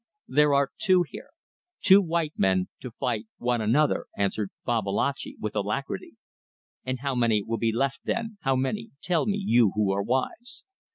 "There are two here. Two white men to fight one another," answered Babalatchi, with alacrity. "And how many will be left then? How many? Tell me, you who are wise."